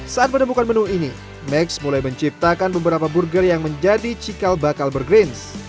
saat menemukan menu ini max mulai menciptakan beberapa burger yang menjadi cikal bakal burgrins